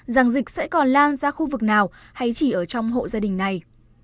rằng dịch sẽ còn lan ra khu vực nào hay chỉ ở trong hộ gia đình này